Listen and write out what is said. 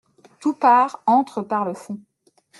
Toupart entre par le fond.